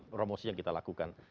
promosi yang kita lakukan